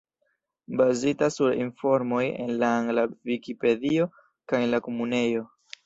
Bazita sur informoj en la angla Vikipedio kaj en la Komunejo.